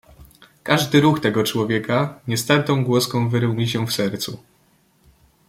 "Każdy ruch tego człowieka niestartą głoską wyrył mi się w sercu."